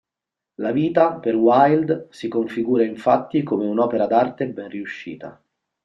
La vita, per Wilde, si configura infatti come un'opera d'arte ben riuscita.